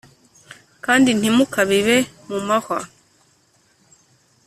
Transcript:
Kandi ntimukabibe mu mahwa